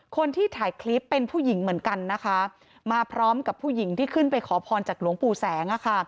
คนที่ถ่ายคลิปเป็นผู้หญิงเหมือนกันนะคะมาพร้อมกับผู้หญิงที่ขึ้นไปขอพรจากหลวงปู่แสง